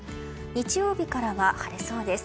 日曜日からは晴れそうです。